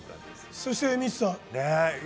そしてミッツさん。